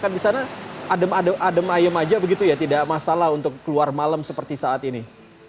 adem adem aja begitu ya tidak masalah untuk keluar malam seperti saat ini